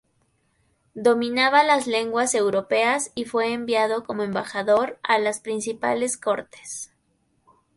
Dominaba las lenguas europeas y fue enviado como embajador a las principales cortes.